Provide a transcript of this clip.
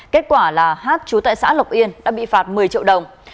kết quả là h trú tại xã lộc yên đã bị phạt một mươi triệu đồng